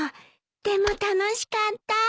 でも楽しかった。